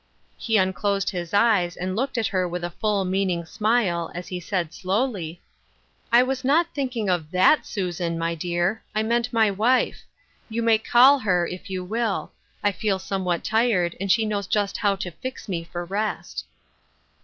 " He unclosed his eyes, and looked at her with a full, meaning smile, as he said, slowly : 226 Euth Erskine's Crosses. " I was not thinking of that Susan, my dear ; I meant my wife. You may call her, if you will ; I feel somewhat tired, and she knows just how to fix me for rest."